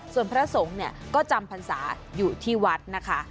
ส่วนพระสงฆ์เนี่ยก็จำพรรษาอยู่ที่วัดนะคะ